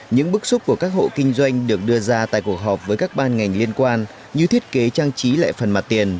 những bức xúc của các hộ kinh doanh được đưa ra tại cuộc họp với các ban ngành liên quan như thiết kế trang trí lại phần mặt tiền